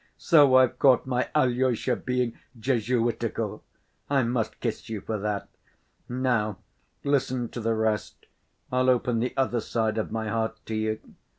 "So I've caught my Alyosha being Jesuitical. I must kiss you for that. Now listen to the rest; I'll open the other side of my heart to you.